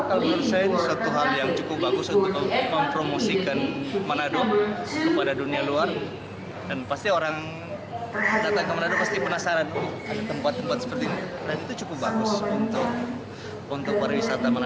apa nih pak mungkin menunggu delay ya sekalian